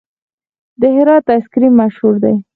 د هرات آیس کریم مشهور دی؟